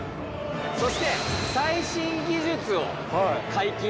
そして最新技術を解禁。